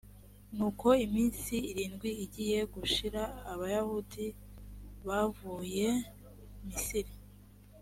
nuko iminsi irindwi igiye gushira abayahudi bavuye misiri